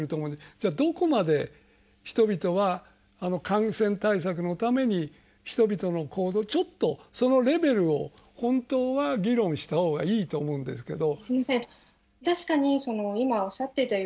じゃあどこまで人々は感染対策のために人々の行動ちょっとそのレベルを本当は議論したほうがいいと思うんですけど。